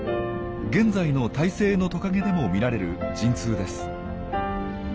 現在の胎生のトカゲでも見られる陣痛です。